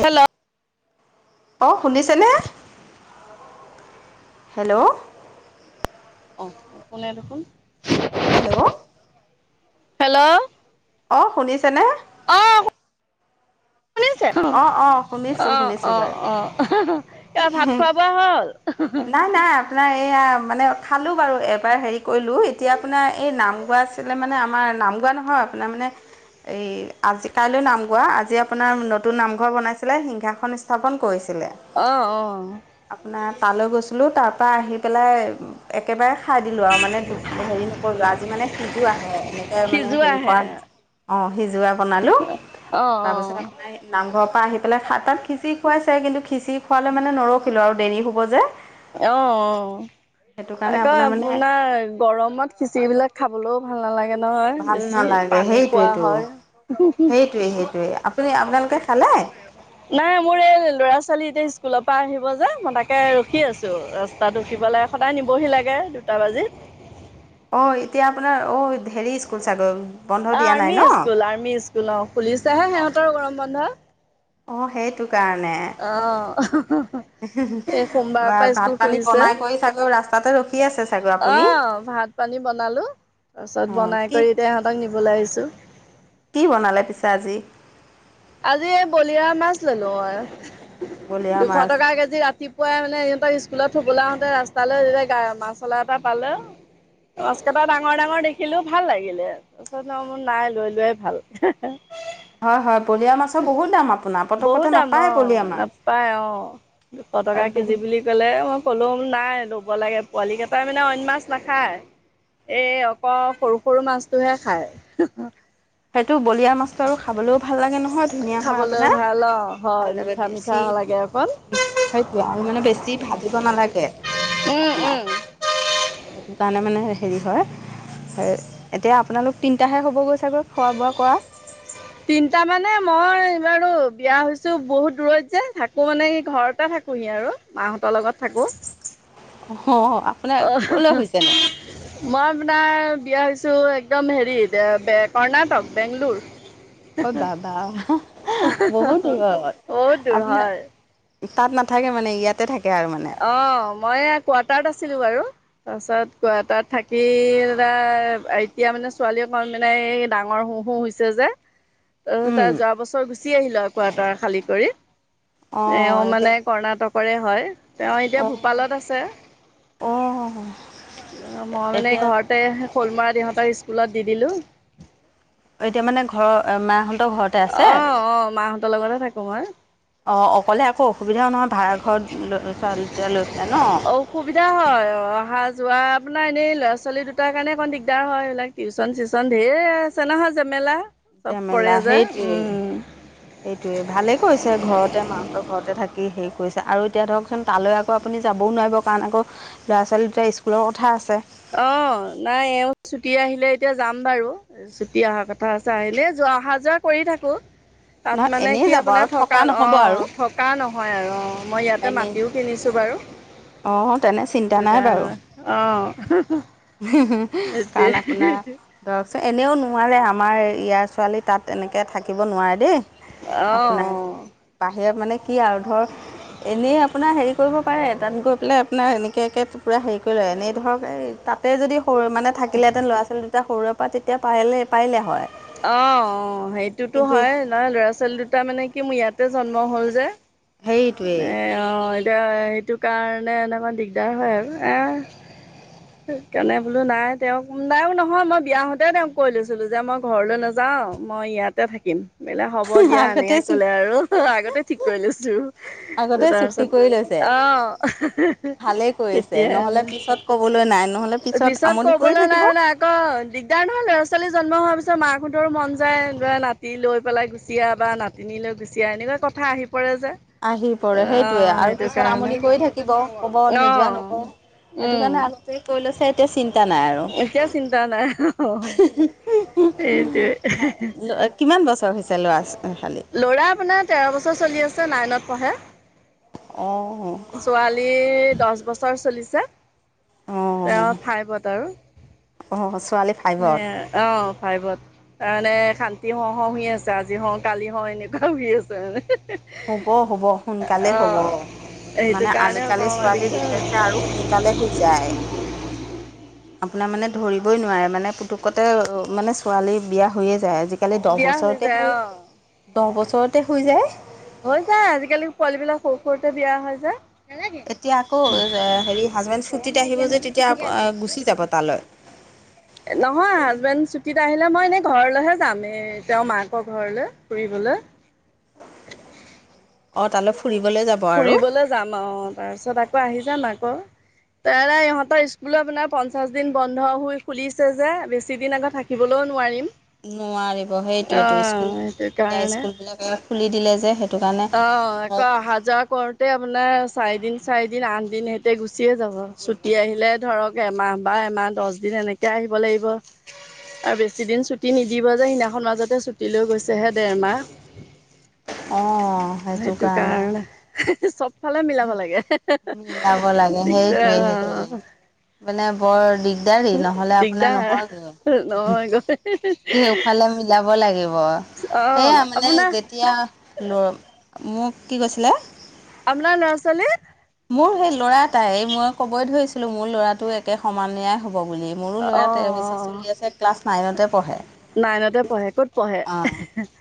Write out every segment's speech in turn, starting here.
Hello. অ', শুনিছেনে। Hello. নুশুনে দেখোন। হেল্ল'। হেল্ল'। অ ', শুনিছেনে। অ', ক [unintelligible] শুনিছে, অ' অ' শুনিছোঁ অ', শুনিছোঁ অ', বাৰু। অ', কিবা ভাত খোৱা বোৱা হ'ল। নাই- নাই আপোনাৰ এইয়া মানে খালো বাৰু এবাৰ হেৰি কৰিলো, এতিয়া আপোনাৰ এই নাম গোৱা মানে আমাৰ নাম গোৱা নহয়, আপোনাৰ মানে এই আজি কাইলৈ নাম গোৱা, আজি আপোনাৰ ন নতুন নামঘৰ বনাইছিলে, সিংহাসন স্থাপন কৰিছিলে। অ', অ'। আপোনাৰ তালৈ গৈছিলো, তাৰ পৰা আহি পেলাই একেবাৰে খাই দিলো আৰু মানে দু হেৰি নকৰিলো, আজি মানে সিজোৱাহে, এনেকে মানে হেৰি সিজোৱাহে কৰা অ', সিজোৱা বনালো, অ অ তাৰপিছত অ আপোনাৰ নামঘৰৰ পৰা আহি পেলাই তাত খিচিৰি খুৱাইছে কিন্তু খিচিৰি খোৱালে মানে নৰখিলোঁ আৰু দেৰি হ'ব যে। অ', অ', সেইটো অ', কাৰণে সেইটোৱে মানে আপোনাৰ গৰমত খিচিৰি বিলাক খাবলৈও ভাল নালাগে নহয় ভাল বেছি, নালাগে পানী খোৱা সেইটোৱেইটো সেইটোৱে হয়। সেইটোৱে আপুনি আপোনালোকে খালে। নাই মোৰ এই ল'ৰা ছোৱালী এতিয়া স্কুলৰ পৰা আহিব যে, মই তাকে ৰখি আছো চো, ৰাস্তাত উঠি পেলাই সদায় নিবহি লাগে দুটা বাজিল। অ', এতিয়া আপোনাৰ অ', হেৰি স্কুল চাগৈ। বন্ধ অ', দিয়া নাই আৰ্মি ন স্কুল- আৰ্মি স্কুল, অ', খুলিছেহে সিহঁতৰ গৰম বন্ধ। অ', সেইটো কাৰণে। অ'। সোমবাৰৰ বা পৰা ভাত স্কুল পানী খুলিছে। বনাই কৰি চাগৈ ৰাস্তাতে ৰখি আছে চাগৈ আপুনি। অ', ভাত পানী বনালো, তাৰ অ পাছত বনাই কি কৰি এতিয়া ইহঁতক নিবলে আহিছো। কি বনালে পিছে আজি। আজি এই বলিয়ৰা মাছ ল'লো মই, বলিয়া দুশ মাছ টকা কেজি ৰাতি পুৱাই মানে সিহঁতক স্কুলত থ'বলৈ আহোঁতে ৰাস্তালৈ যেতিয়া মাছ অলা এটা পালে মাছ কেইটা ডাঙৰ- ডাঙৰ দেখিলো, ভাল লাগিলে। তাৰপিছত আৰু মোৰ নাই লৈ লোৱাই ভাল। হয় হয় বলিয়া মাছৰ বহুত দাম আপোনাৰ পতকতে বহুত দাম নাপায় অ', বলিয়া মাছ নাপায় অ'। দুশ টকা আৰু কেজি বহুত বুলি গ'লে মই ক'লেও নাই ল'ব লাগে, পোৱালি কেইটাই মানে অইন মাছ নাখায়। এই অকল সৰু- সৰু মাছটোহে খায়। সেইটো বলিয়ৰা মাছটো আৰু খাবলেও ভাল লাগে নহয়, ধুনীয়া হয় খাবলৈ আপোনাৰ। অ' হয় ভাল লাগে মিঠা মিঠা বেছি লাগে অকণ। সেইটোৱে আৰু মানে বেছি ভাজিব নালাগে উম, উম। আপোনাৰ। সেইকাৰণে মানে হেৰি হয়। হয়, এতিয়া আপোনালোক তিনিটাহে হ'বগৈ চাগৈ খোৱা-বোৱা কৰা। তিনটা মানে মই বাৰু বিয়া হৈছো বহুত দূৰত যে, থাকো মানে এই ঘৰতে থাকো কোহি আৰু মাহঁতৰ লগত থাকোঁ। অ' আপোনাৰ [unintelligible] ক'লৈ হৈছেনো মই আপোনাৰ বিয়া হৈছোঁ একদম হেৰি এ কৰ্ণাটক, বেংলোৰ। অ', বা-বা, বহুত দূৰত, বহুত দূৰ হয়। আপোনাৰ তাত নাথাকে মানে, ইয়াতে থাকে আৰু মানে। অ', মই এইয়া কোৱাৰ্টাৰত আছিলো বাৰু। তাৰপাছত কোৱাৰ্টাৰত থাকি লে এতিয়া মানে ছোৱালীয়ে অকন মানে এই ডাঙৰ হ হৈছে যে। [inaudible] অ', [unintelligible] যোৱা বছৰ গুচি আহিলে কোৱাৰ্টাৰ খালী কৰি, অ এওঁ এতিয়া মানে কৰ্ণাটকৰে হয়। তেওঁ এতিয়া অ ভূপালত আছে, অ মই মানে এতিয়া ঘৰত তে শ'লমৰাত ইহঁতক স্কুলত দি দিলোঁ। অ', এতিয়া মানে ঘৰৰ এ মাহঁতৰ ঘৰত। অ', অ', মাহঁতৰ লগতে তে থাকোঁ মই। অ', অকলে আকৌ অসুবিধাও নহয় ভাড়া ঘৰত ল ছোৱালী দুটা লৈ পেলাই ন। অসুবিধা হয় অ', অহা যোৱা আপোনাৰ এনেই ল'ৰা-ছোৱালী দুটাৰ কাৰণে অকণ দিগদাৰ হয় এইবিলাক টিউচন চিউচন ধেৰ আছে নহয় জামেলা। জেমেলা সেইটোৱে- সেইটোৱে, ভালেই কৰিছে ঘৰতে মাহঁতৰ ঘৰতে থাক কি হেৰি কৰিছে আৰু এতিয়া ধৰকচোন তালৈ আকৌ আপুনি যাবওঁ নোৱাৰিব কাৰণ আকৌ ল'ৰা-ছোৱালী দুটাৰ স্কুলৰ কথা আছে। অ', নাই এওঁ ছুটি আহিলে এতিয়া যাম বাৰু। চুটি অহা কথা আছে আহিলে যোৱা অহা যোৱা কৰি থাকোঁ। তাত নহয় মানে এনেই কি যাব আৰু আপোনাৰ থকা নহ'ব আৰু অ', থক কা নহয় আৰু অ', মই ইয়াতে এনেই মাটিও কিনিছোঁ বাৰু, অঁ তেনে চিন্তা এইটো নাই বাৰু এতিয়া অ'। [unintelligible] [unintelligible] কাৰণ সেইটোৱে আপোনাৰ [unintelligible] এনেওঁ নোৱাৰে আমাৰ ইয়াৰ ছোৱালী তাত এনেকে থাকিব নোৱাৰে দে। অ' আপোনাৰ, অ'। বাহিৰত মানে কি আৰু ধৰ এনেই আপোনাৰ হেৰি কৰিব পাৰে, তাত গৈ পেলাই আপোনাৰ এনেকেকে পুৰা হেৰি কৰি লয়, এনেই ধৰক এই তাত তে যদি সৰু মানে থাকিলেতেন ল'ৰা- ছোৱালী দুটা সৰুৰে পৰা, তেতিয়া পাইলে পাৰিলে হয় অ', অ', সেইটোটো কিন্তু হয় ল'ৰা- ল'ৰা-ছোৱালী দুটা মানে কি মোৰ ইয়াতে জন্ম হ'ল যে। হেৰিটোৱেই এ অ', এতিয়া এইটো কাৰণে এনে মোৰ দিগদাৰ হয় আৰু এ [inaudible] সেইকাৰণে বোলো নাই তেওঁক নাইয়ো নহয় মই বিয়া হওঁতে তেওঁক কৈ লৈছিলোঁ যে মই ঘৰলৈ নাযাওঁ, মই ইয়াত তে থাকিম, বোলে হ'ব দিয়া আগতে এনেকে ক'লে আৰু আগতে ঠিক কৰি লৈছো। আগতে যে চুক্তি কৰি লৈছে তাৰপিছত অ', ভালেই তেতিয়াই কৰিছে নহ'লে আৰু। পিছত ক'বলৈ নাই নহ'লে পিছত আমনি কৰি ক'বলে নাই থাকিব মানে আকৌ দিগদাৰ নহয় ল'ৰা -ছোৱালী জন্ম হোৱাৰ পিছত মাকহঁতৰো মন যায় নাতি লৈ পেলাই গুচি আহ বা নাতি তিনি লৈ গুচি আহ, এনেকোৱা কথা আহি পৰে যে। আহি পৰে সেইটোয়ে অ' আৰু সেইটো পিছত কাৰণে আমনি কৰি থাকিব ক'ব নোযোৱা অ' নকওঁ। সেইটো উম কাৰণে আ [unintelligible] কৰি লৈছে এতিয়া চিন্তা নাই আৰু। এতিয়া চিন্তা নাই, [unintelligible] [unintelligible] সেইটোৱে, কিমান বছৰ হৈছে ল'ৰা খালি ল'ৰা আপোনাৰ তেৰ বছৰ চলি আছে নাইনত পঢ়ে, অঁ ছোৱালীৰ দচ বছৰ চলিছে। অঁ তেওঁ ফাইভত আৰু অঁ ছোৱালী এ ফাইভত অ', ফাইভত। তাৰমানে শান্তি হওঁ- হওঁ হৈ আছে, আজি হওঁ কালি হওঁ এনেকুৱা হৈ আছে মানে। হ'ব- হ'ব সোনকালে অ হ'ব। সেইটো মানে কাৰণে আজিকালি অকমান ছোৱালী দিগদাৰ হৈছে। বিশেষকে আৰু সোনকালে হৈ যায়। আপোনাৰ মানে ধৰিবই নোৱাৰে মানে পুতুকতে মানে ছোৱালী বিয়া হৈয়ে যায় আজি কালি দহ বিয়া বছৰতে যায় হৈ, অ। দহ বছৰতে হৈ যায়। হৈ যায় আজি-কালি পোৱালিবিলাক সৰু- সৰুতে বিয়া হয় যে। এতিয়া আকৌ এ হেৰি হাজবেণ্ড ছুটীত আহিব যে তেতিয়া আ গুচি যাব তালৈ। নহয় হাজবেণ্ড ছুটীত আহিলে মই এনেই ঘৰলৈহে যাম। এই তেওঁৰ মাকৰ ঘৰলৈ ফুৰিবলৈ। অ, তালৈ ফুৰিবলে যা ফুৰিবলে যাম অ। তাৰপিছত আকৌ আহি যাম আক'। [unintelligible] ইহঁতৰ স্কুলো আপোনাৰ পঞ্চাছ দিন বন্ধ হৈ খুলিছে যে বেছি দিন আক' থাক থাকিবলেও নোৱাৰিম। নোৱাৰিব সেইটোৱেটো স্কুল অ' সেইটো এতিয়া কাৰণে। স্কুলবিলাকে খুলি দিলে যে সেইটো কাৰণে [unintelligible] পূজা কৰোঁতে আপোনাৰ চাৰিদিন, চাৰিদিন আঠ দিন সেতে গুচিয়ে যাব। ছুটি আহিলে ধৰক এমাহ বা এমাহ দছ দিন এনেকে আহিব লাগিব। আৰু বেছিদিন ছুটি নিদিব যে। সেইদিনাখন মাজতে ছুটি লৈ গৈছেহে ডেৰমাহ। অ, সেইটো কাৰণে। [unintelligible] চব ফালে মিলাব লাগে। মিলাব [unintelligible] লাগে সেইটোৱে দিগদাৰ সেইটোৱে অ। মানে বৰ দিগদাৰী, নহ'লে আপোনাৰ দিগদাৰ নহয়গৈ। নহয় গৈ কেওফালে মিলাব লাগিব। সেয়া অ' মানে আপোনাৰ যেতিয়া ল মোক কি কৈছিলে? আপনাৰ ল'ৰা-ছোৱালী? মোৰ সেই ল'ৰা এটাই। এই মই ক'বই ধৰিছিলো মোৰ ল'ৰাটো একে সমনীয়া হ'ব বুলি। মোৰো ল'ৰা তেৰবছৰ অ' চলি আছে, ক্লাছ নাইনতে পহে। নাইনতে পহে, ক'ত পহে?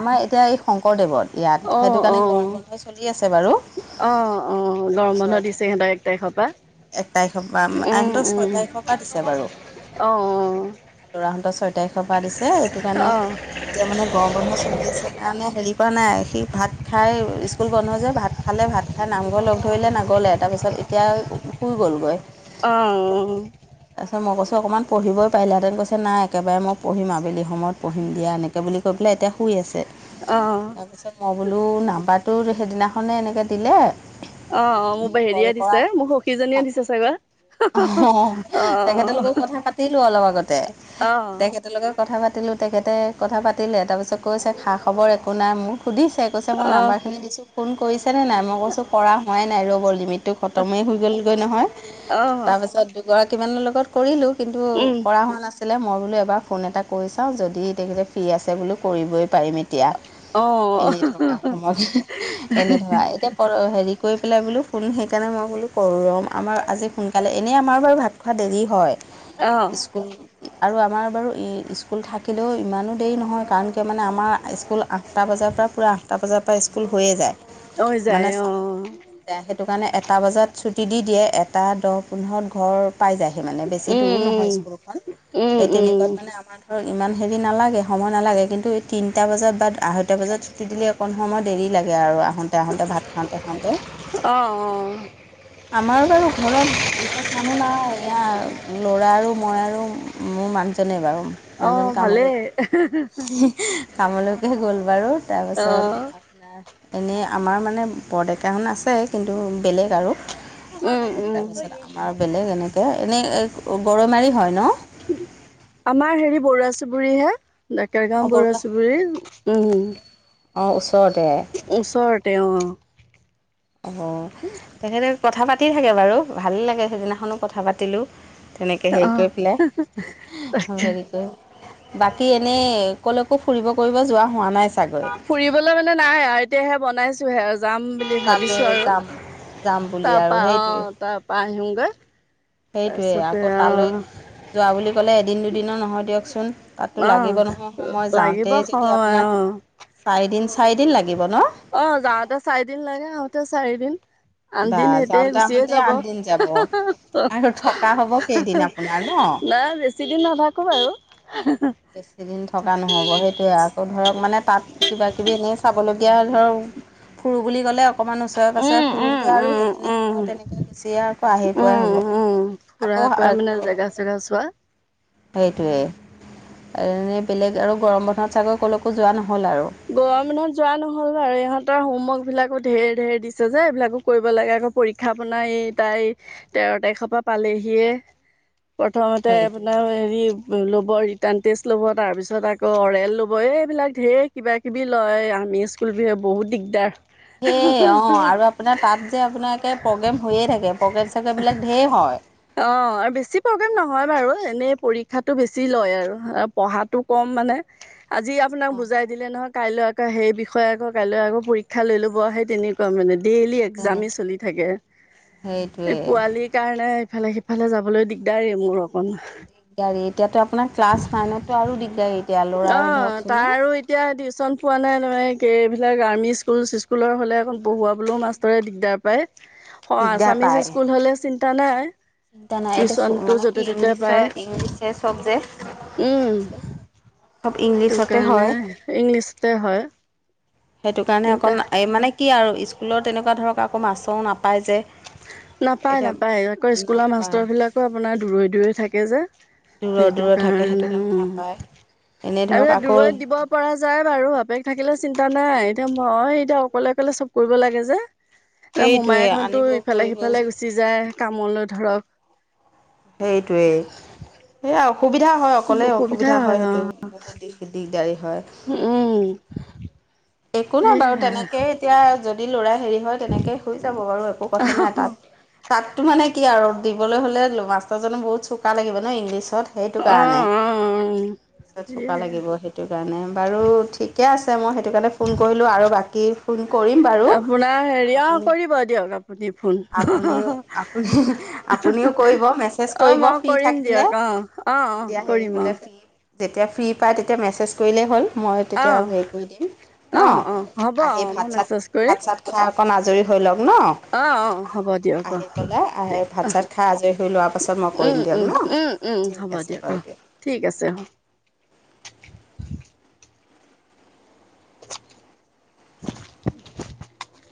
আমাৰ এতিয়া এই শংকৰদেৱত ইয়াত। সেইটো কাৰণে অ' গৰম বন্ধ চলি আছে বাৰু। অ, অ আমাৰ গৰম বন্ধ ওচৰতে দিছে সিহঁতৰ এক তাৰিখ পা। এক তাৰিখ পা, এহেতৰ ছয় তাৰিখৰ পৰা দিছে বাৰু। অ, অ। ল'ৰাহঁতৰ ছয় তাৰিখৰ পৰা দিছে, সেইটো অ' কাৰণে এতিয়া মানে গৰম বন্ধ চলি আছে। তাৰ নে হেৰি কৰা নাই। সি ভাত খাই স্কুল বন্ধ যে ভাত খালে, ভাত খাই নামঘৰ লগ থৈলে নাগ'লে, তাৰপিছত এতিয়া শুই গ'লগৈ। অ, অ। তাৰপিছত মই কৈছো অকমান পঢ়িবই পাৰিলাহেঁতেন। কৈছে নাই একেবাৰে মই পঢ়িম আবেলি সময়ত পঢ়িম দিয়া। এনেক কে বুলি কৈ পেলাই এতিয়া শুই আছে। অ। তাৰপিছত মই বোলো নাম্বাৰটো সেইদিনাখনে এনেকে দিলে। অ, অ মোৰ বা মোক কল হেৰিয়ে দিছে মোক সখীজনীয়ে দিছে চাগৈ? অ, অ' অ' তেখেতৰ লগত কথা পাতিলো অলপ আগতে। অ' তেখে [unintelligible] লগত কথা পাতিলোঁ। তেখেতে কথা পাতিলে। তাৰপিছত কৈছে খা-খবৰ একো নাই মোক সুধিছে। কৈছে মই নাম্বাৰখিনি দিছো ফোন কৰিছে নে নাই? মই কৈছো কৰা হোৱাই নাই ৰ'ব। লিমিটটো খতমেই হৈ গ'লগৈ নহয়। অ। তাছত দুগৰাকী মানৰ লগত কৰিলো। কিন্তু উম কৰা হোৱা নাছ লে মই বোলো এবা ফোন এটা কৰি চাওঁ। যদি তেখেতে ফ্ৰী আছে বোলো কৰিবই পাৰিম এত তিয়া অ' এনেই থকা সময় [unintelligible] এনেই থকা, এতিয়া হেৰি কৰি পেলাই বোলো ফোন সেইকাৰণে মই বোলো কৰোঁ ৰ। আমাৰ আজি সোনকালে এনেই আমাৰ বাৰু ভাত খোৱা দেৰি হয়। স্কুল আৰু আমাৰ বাৰু ই স্কুল থাকিলেও ইমানো দেৰি নহয়, কাৰণ কিয় মানে আমাৰ স্কুল আ আঠটা বজাৰ পৰা, পূৰা আঠটা বজাৰ পৰা স্কুল হৈয়ে যায়। হৈ যায় অ', মানে অ', অ'। সেইটো কাৰণে এটা বজাত ছুটী দি দিয়ে, এটা দহ পোন্ধৰত ঘৰ পাই যায়হি মানে বেছি দূৰো নহয় উম স্কুলখন, উম সেই উম তেনেকুৱাত মানে আমাৰ ধৰ ইমান হেৰি নালাগে সময় নালাগে কিন্তু এই তিনিটা বজাত বা আহৈ দুটা বজাত ছুটি দিলে অকণ সময় দেৰি লাগে আৰু আহোঁতে-আহোঁতে ভাত খাওঁতে-খাওঁতে। অ অ'। আমাৰ বাৰু ঘৰত বিশেষ মানুহ নায়, এইয়া ল'ৰা আৰু মই আৰু মোৰ মানুহজনে বাৰু। অ মানুহজন কামলে ভালেই [unintelligible] কামলৈকে গল বাৰু। অ তাপাছত এনেই আমাৰ মানে বৰ ডেকাসন আছে কিন্তু বেলেগ আৰু। উম উম তাৰপিছত আমাৰ বেলেগ এনেকে এনেই এ গৰৈ মাৰি হয় ন? আমাৰ হেৰি বৰুৱা চুবুৰী হে। ডেকাৰগাঁও বৰুৱা চুবুৰী, উম। অ', ওচৰতে। ওচৰতে অ'। অ'। হুঁ [unintelligible] তেখেতে কথা পাতি থাকে বাৰু, ভালে লাগে সেইদিনাখনো কথা পাতিলোঁ। তেনেকে অ হেৰি কৰি পেলাই। এহ হ তাকে হেৰি কৰি। বাকী এনেই কলৈকো ফুৰিব কৰিব যোৱা হোৱা নাই চাগৈ? ফুৰিবলৈ মানে নাই আৰু, এতিয়া সেই বনাইছোঁহে আ যাম বুলি তাতে ভাবিছোঁ আৰু। যাম যাম বুলি তাৰ আৰু পা সেইটোৱে অ', তাৰ পা আহিমগৈ। সেইটোৱে তাৰপিছতে আকৌ অ তালৈ যোৱা বুলি ক'লে এদিন দুদিনৰ নহয় দিয়কচোন। তাতো অ লাগিব নহয় সময় লাগিব যাওঁতে যিদি সময় আপোনাক, অ চাৰিদিন-চাৰিদিন লাগিব ন? অ', যাওঁতে চাৰিদিন লাগে আহোতেও চাৰিদিন। বা আঠদিন সেইতে যাওঁনতে গুচিয়ে আহোনতে যাব আঠ দিন যাব, আৰু থকা হব কেইদিন আপ পোনাৰ ন? বেছিদিন নাথাকোঁ আৰু। বেছি দিন থকা নহ'ব, সেইটোয়ে আচ ধৰক মানে তাত কিবাকিবি এনেই চাবলগীয়া হলে ধৰক, ফুৰো বুলি ক'লে অকমান ওচৰে পাছৰে উম, উম, ফুৰোঁনতে আৰু উম, সেইখিনি সময় উম, তেনেকৈ গুচিয়ে আকৌ আহি পোৱাই উম, হ'ব। আকৌ [unintelligible] নো [unintelligible] ছোৱা। সেইটোৱেই এনেই বেলেগ আৰু গৰম বন্ধত চাগৈ ক'লৈকো যোৱা নহ'ল আৰু? গৰম বন্ধত যোৱা নহ'ল বাৰু ইহঁতৰ হমৱৰ্ক বিলাকো ধেৰ-ধেৰ দিছে যে, এইবিলাকো কৰিব লাগে আকৌ পৰীক্ষা আপোনাৰ এই তাই তেৰ তাৰিখৰ পা পালেহিয়ে। প্ৰথমতে সেইটোৱে। আপোনাৰ হেৰি ল'ব ৰিটাৰ্ণ টেষ্ট ল'ব তাৰপিছত আকৌ অৰেল ল'ব এই এইবিলাক ঢেৰ কিবা কিবি লয় আমি স্কুল বিহে বহুত দিগদাৰ। সে অ', আৰু আপোনাৰ তাত যে আপোনাৰ একে প্ৰগ্ৰেম হৈয়ে থাকে প্ৰগ্ৰেম চগ্ৰেম বিলাক ধেৰ হয়। অ', আৰু বেছি প্ৰবেম নহয় বাৰু। এনেই পৰীক্ষাতটো বেছি লয় আৰু এ পঢ়াটো কম মানে আজি আপোনাক অ' বুজাইত নহয় কাইলৈ আকা সেই বিষয়ে আকৌ কাইলৈ আকৌ পৰীক্ষা লৈ ল'ব সেই তেনেকুৱা মানে, ডেইলি এক এক্সামে চলি থাকে। এই সেইটোৱে। পোৱালিক সেইকাৰণে ইফালে-সিফালে যাবলৈ দিগদাৰেই মোৰো। দিগদাৰী। এতিয়াতো আপোনাৰ ক্লাছ নাইনতটো আৰু দিগদাৰী। এতিয়া অ, ল'ৰাৰ ধৰকচোন তাৰ ন। আৰু ইত এতিয়া টিউচন পোৱা নাই নহয়। কে এইবিলাক আৰ্মি স্কুল চিস্কুলৰ হ'লে অকণ পঢ়োৱাবলেও মাষ্টৰে দিগদাৰ পায়। [inaudible] ফ আছামিছ পায়। স্কুল হ'লে চিন্তা নাই। চিন্তা নাই এতিয়া টিউচনটো মানে কি য'তে ততে ইংলিছে পায়। ইংলিছে চব যে উম। চব টো ইংলিছতে কাৰণে হয়। ইংলিছতে হয়। সেইটো কাৰণে তেনেকুৱা অকণ এই মানে কি আৰু স্কুলত তেনেকুৱা ধৰক আকৌ মাষ্টৰো নাপায় যে। নাপায়, এতিয়া নাপায়। আকৌ স্কুলৰ নাপায় মাষ্টৰবিলাকো আপোনাৰ দূৰৈ-দূৰৈ থাকে যে। দূৰৰ সেইটো দূৰত থাকে সেইটো কাৰণে নাপায়। এনেই উ ধৰক [unintelligible] আকৌ দূৰৈত দিব পৰা যায় বাৰু। বাপেক থাকিলে চিন্তা নাই। এতিয়া মই এতিয়া অকলে অকলে চব কৰিব লাগে যে। এ সেইটোৱে মোমাইকহঁতো আনিব কৰিব ইফালে-সিফালে গুচি যায় কামলৈ ধৰক। সেইটোৱেই। সেয়া অসুবিধা হয়, অকলে অসুবিধা হয় সেইটো। বহুত দিশ দিগদাৰি হয়। উম। একো নাই বাৰু। সেয়াই তেনেকেই এতিয়া যদি ল'ৰা হেৰি হয় তেনেকেই শুই যাব বাৰু। একো কথা নাই তাত। তাততো মানে কি আৰু দিবলৈ হ'লে মাষ্টাৰজনো বহুত চোকা লাগিব ন ইংলিছত। সেইটো কাৰণে। অঁ অঁ [unintelligible] চোকা সেয়াই লাগিব সেইটো সেইটো কাৰণে বাৰু ঠিকে আছে। মই সেইটো কাৰণে ফোন কৰিলো আৰু বাকী ফোন কৰিম বাৰু। আপোনাৰ হেৰি অঁ আপুনি কৰিব দিয়ক আপুনি আপুনিও ফোন আপুনি আপুনিও কৰিব, মেছেজ অ কৰিব মই ফ্ৰী কৰিম থাকিলে। দিয়ক অ অ অ তেতিয়া হেৰি কৰিম হ'লে ফ্ৰী অ যেতিয়া ফ্ৰী পায় তেতিয়া মেছেজ কৰিলেই হ'ল। মইও অ তেতিয়া হেৰি কৰি দিম। ন অ, অ হ'ব। অ আহি ভাত মই মেচজ চাত ভাত কৰিম। চাত খাই অকণ আজৰি হৈ লওক ন অ, অ হ'ব দিয়ক অ। আহি পেলাই আহি ভাত অ চাত খাই আজৰি হৈ লোৱাৰ পাছত মই উম, কৰিম দিয়ক উম, ন উম। উম হ'ব ঠিক আছে দিয়ক অ। বাৰু ঠিক আছে অ। [inaudible]